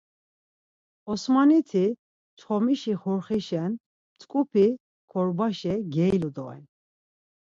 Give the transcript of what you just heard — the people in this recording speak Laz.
Osmaniti çxomişi xurxişen mtzǩupi korbaşe geilu doren.